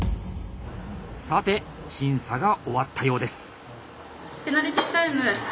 さて審査が終わったようです。